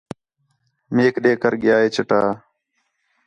میک ݙے کر ڳِیا ہے چٹا